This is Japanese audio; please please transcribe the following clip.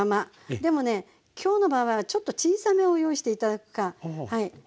でもね今日の場合はちょっと小さめを用意して頂くかはい。